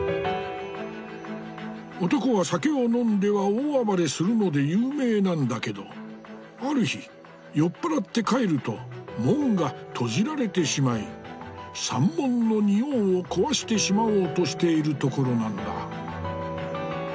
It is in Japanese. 男は酒を飲んでは大暴れするので有名なんだけどある日酔っ払って帰ると門が閉じられてしまい山門の仁王を壊してしまおうとしているところなんだ。